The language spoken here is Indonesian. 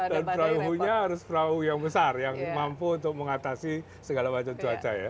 dan perahu nya harus perahu yang besar yang mampu untuk mengatasi segala macam cuaca ya